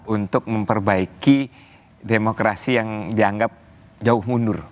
untuk memperbaiki demokrasi yang dianggap jauh mundur